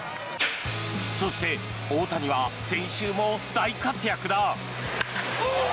そして、大谷は先週も大活躍だ。